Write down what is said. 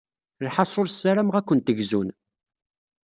Lḥaṣul, ssarameɣ ad kent-gzun.